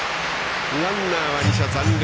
ランナーは２者残塁。